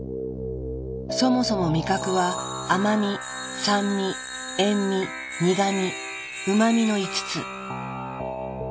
そもそも味覚は「甘み」「酸味」「塩味」「苦味」「うま味」の５つ。